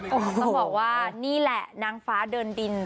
โอ้โหต้องบอกว่านี่แหละนางฟ้าเดินดิน